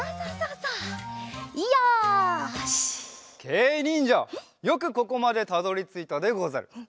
けいにんじゃよくここまでたどりついたでござる。